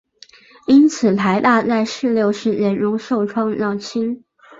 因此台大在四六事件中受创较轻。